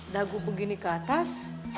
dagu begini ke atas